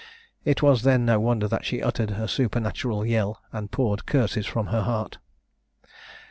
It was then no wonder that she uttered a supernatural yell, and poured curses from her heart.